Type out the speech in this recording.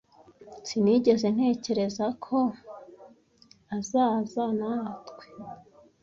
Sinigeze ntekereza ko azaza natwe.